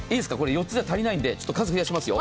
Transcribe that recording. ４つじゃ足りないので数を増やしますよ。